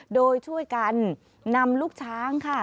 โดยช่วยกันนำลูกช้างค่ะ